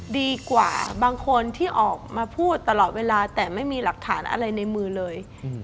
ดีกว่าบางคนที่ออกมาพูดตลอดเวลาแต่ไม่มีหลักฐานอะไรในมือเลย